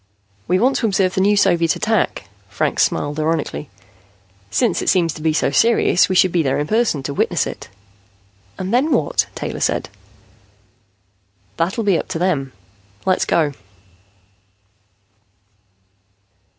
"We want to observe the new Soviet attack." Franks smiled ironically. "Since it seems to be so serious, we should be there in person to witness it." "And then what?" Taylor said. "That'll be up to them. Let's go."